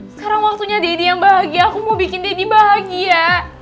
sekarang waktunya denny yang bahagia aku mau bikin denny bahagia